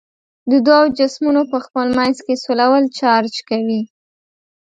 د دوو جسمونو په خپل منځ کې سولول چارج کوي.